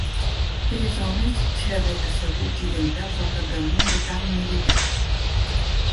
Tres homes xerren asseguts i dempeus al capdamunt de tanc militar.